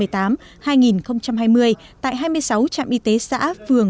tại hai mươi sáu trạm y tế xã vườn